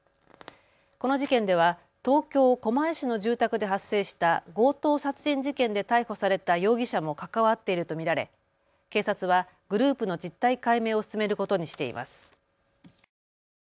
この事件では東京狛江市の住宅で発生した強盗殺人事件で逮捕された容疑者も関わっていると見られ警察はグループの実態解明を進めることにしています。